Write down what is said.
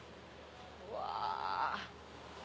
うわ。